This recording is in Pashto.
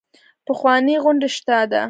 پخوانۍ غونډۍ شته ده.